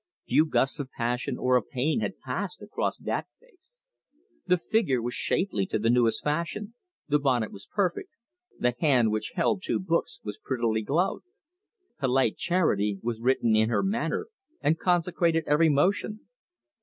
Few gusts of passion or of pain had passed across that face. The figure was shapely to the newest fashion, the bonnet was perfect, the hand which held two books was prettily gloved. Polite charity was written in her manner and consecrated every motion.